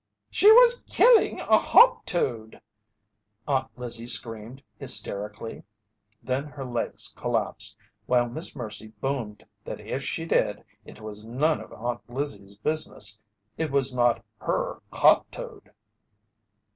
"She was killing a hop toad!" Aunt Lizzie screamed, hysterically. Then her legs collapsed, while Miss Mercy boomed that if she did, it was none of Aunt Lizzie's business it was not her hop toad.